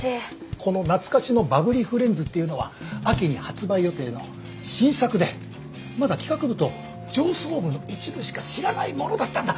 この懐かしのバブリーフレンズっていうのは秋に発売予定の新作でまだ企画部と上層部の一部しか知らないものだったんだ。